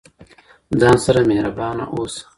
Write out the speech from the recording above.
ځان سره مهربان اوسه